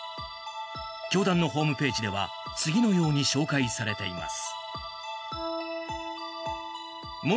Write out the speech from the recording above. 教団のホームページでは次のように紹介されています。